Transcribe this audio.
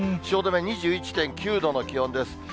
汐留２１．９度の気温です。